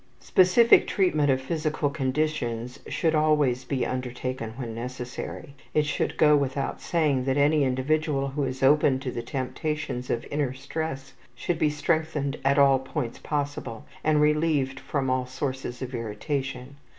Specific treatment of physical conditions should always be undertaken when necessary. It should go without saying that any individual who is open to the temptations of inner stress should be strengthened at all points possible and relieved from all sources of irritation.